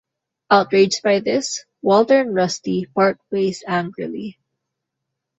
Outraged by this, Walter and Rusty part ways angrily.